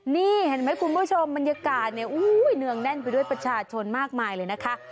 นี่เห็นไหมคุณผู้ชมบรรยากาศเนี่ยเนืองแน่นไปด้วยประชาชนมากมายเลยนะคะ